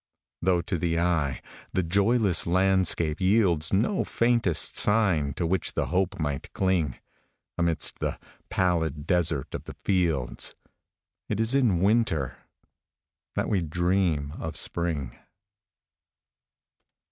Though, to the eye, the joyless landscape yieldsNo faintest sign to which the hope might cling,—Amidst the pallid desert of the fields,—It is in Winter that we dream of Spring.